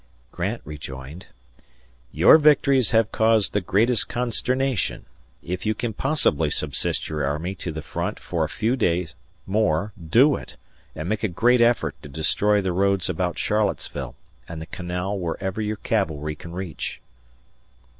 Grant rejoined: Your victories have caused the greatest consternation. If you can possibly subsist your army to the front for a few days more, do it, and make a great effort to destroy the roads about Charlottesville, and the canal wherever your cavalry can reach.